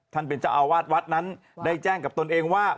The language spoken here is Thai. ท่านเป็นเจ้าอาวาสวัดนั้นได้แจ้งกับตนเองว่า